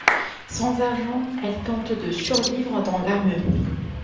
Sans argent, elle tente de survivre dans la rue.